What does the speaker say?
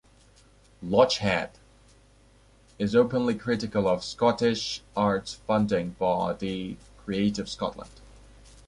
Lochhead is openly critical of Scottish arts funding body Creative Scotland.